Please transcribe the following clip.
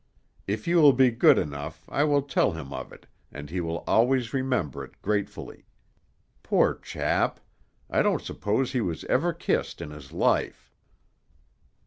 If you will be good enough, I will tell him of it, and he will always remember it gratefully. Poor chap! I don't suppose he was ever kissed in his life."